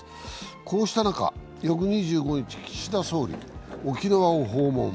こうした中、翌２５日、岸田総理、沖縄を訪問。